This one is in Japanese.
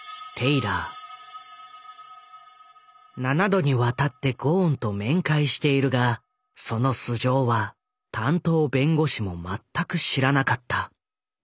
７度にわたってゴーンと面会しているがその素性は担当弁護士も全く知らなかった。